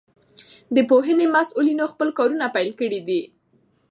د پوهنې مسئولينو خپل کارونه پيل کړي دي.